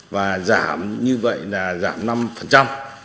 và giảm như vậy là giảm năm